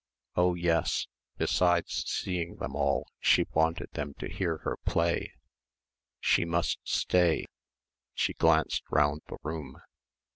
Oh yes, besides seeing them all she wanted them to hear her play.... She must stay ... she glanced round the room.